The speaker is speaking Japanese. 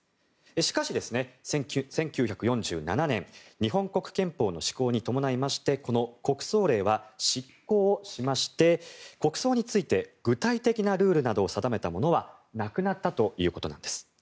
しかし、１９４７年日本国憲法の施行に伴いまして国葬令は失効しまして、国葬について具体的なルールなどを定めたものはなくなったということなんです。